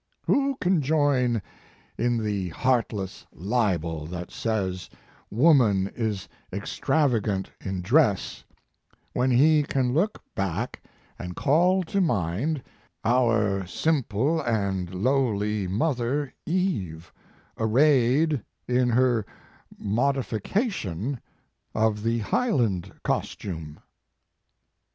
"Who can join in the heartless libel that says woman is extravagant in dress when he can look back and call to mind our simple and lowly mother Eve arrayed in her modification of the Highland costume.